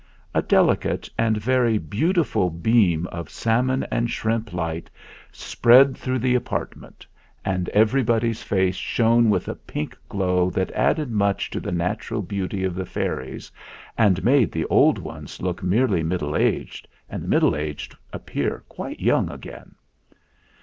A delicate and very beauti ful beam of salmon and shrimp light spread through the apartment, and everybody's face shone with a pink glow that added much to the natural beauty of the fairies, and made the old ones look merely middle aged and the middle aged appear quite young again.